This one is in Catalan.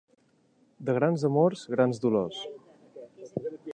De grans amors, grans dolors.